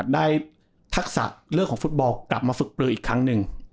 ทักษะเรื่องของฟุตบอลกลับมาฝึกปลืออีกครั้งหนึ่ง